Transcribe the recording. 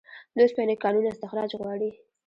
د اوسپنې کانونه استخراج غواړي